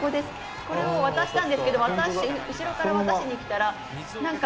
これを渡したんですけど後ろから渡しに来たら何か